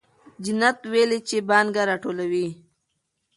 جینت ویلي چې پانګه راټولوي.